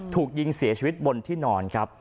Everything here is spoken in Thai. ถูกยิงเสียชีวิตบนที่นอนครับ